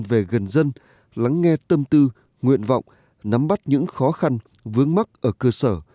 về gần dân lắng nghe tâm tư nguyện vọng nắm bắt những khó khăn vướng mắt ở cơ sở